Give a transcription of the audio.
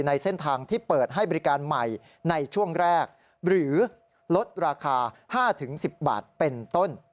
ในเส้นทางที่เปิดให้บริการใหม่ในช่วงแรกหรือลดราคา๕๑๐บาทเป็นต้น